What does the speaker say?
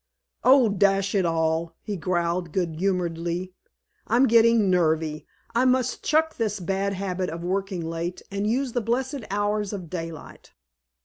"Oh, dash it all!" he growled good humoredly, "I'm getting nervy. I must chuck this bad habit of working late, and use the blessed hours of daylight."